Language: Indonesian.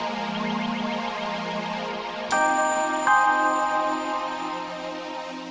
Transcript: kamu pasti bisa sembuh sayang